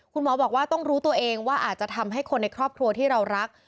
คุณหมอบอกว่าต้องรู้ตัวเองว่าอาจจะทำให้คนในครอบครัวที่เรารัก